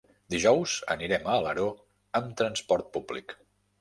Dijous anirem a Alaró amb transport públic.